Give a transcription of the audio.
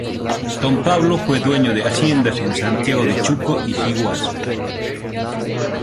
Don Pablo fue dueño de haciendas en Santiago de Chuco y Sihuas.